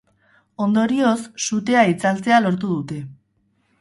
Ondorioz, sutea itzaltzea lortu dute.